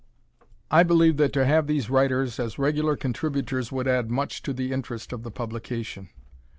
I believe that to have these writers as regular contributors would add much to the interest of the publication.